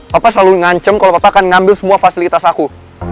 papa selalu ngancem kalau papa akan ngambil semua fasilitas aku